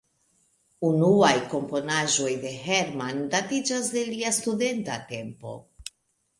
Unuaj komponaĵoj de Hermann datiĝas de lia studenta tempo.